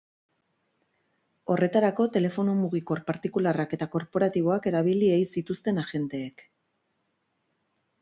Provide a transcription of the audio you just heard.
Horretarako, telefono mugikor partikularrak eta korporatiboak erabili ei zituzten agenteek.